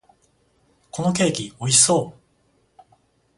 このケーキ、美味しそう！